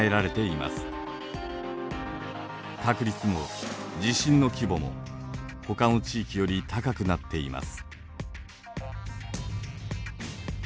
確率も地震の規模もほかの地域より高くなっています。